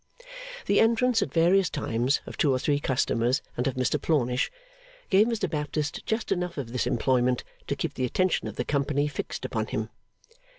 The entrance, at various times, of two or three customers and of Mr Plornish, gave Mr Baptist just enough of this employment to keep the attention of the company fixed upon him.